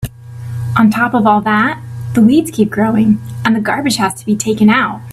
On top of all that, the weeds keep growing and the garbage has to be taken out.